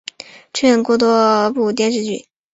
出演过多部影视剧。